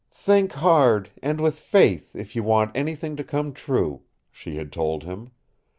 "Think hard, and with faith, if you want anything to come true," she had told him.